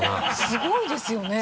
すごいですよね。